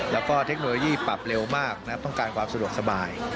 แล้วก็เทคโนโลยีปรับเร็วมากต้องการความสะดวกสบาย